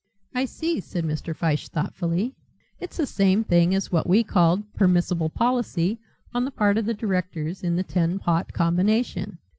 "I see," said Mr. Fyshe thoughtfully, "it's the same thing as what we called 'permissible policy' on the part of directors in the Tin Pot Combination."